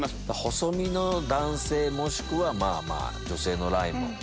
細身の男性もしくは女性のラインも。